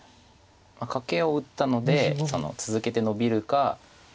カケを打ったので続けてノビるか。